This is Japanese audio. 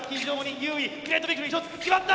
グレートビクトリー決まった！